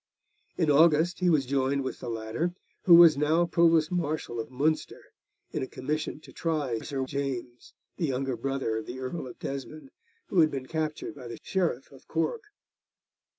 In August he was joined with the latter, who was now Provost marshal of Munster, in a commission to try Sir James, the younger brother of the Earl of Desmond, who had been captured by the Sheriff of Cork.